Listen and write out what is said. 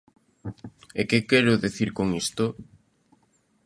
E ¿que quero dicir con isto?